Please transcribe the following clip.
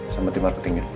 sama tim marketingnya